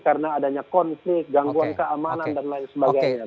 karena adanya konflik gangguan keamanan dan lain sebagainya